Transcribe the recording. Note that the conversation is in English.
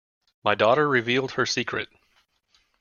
My daughter revealed her secret.